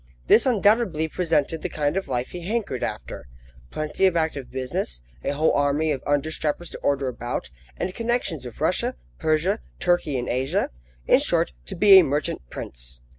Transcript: This undoubtedly presented the kind of life he hankered after. Plenty of active business, a whole army of under strappers to order about, and connections with Russia, Persia, Turkey in Asia in short, to be a merchant prince!